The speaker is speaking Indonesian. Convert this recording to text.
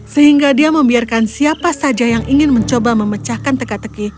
sehingga dia membiarkan siapa saja yang ingin mencoba memecahkan teka teki